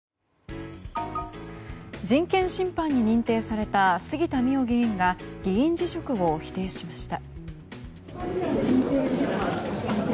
人権侵犯に認定された杉田水脈議員が議員辞職を否定しました。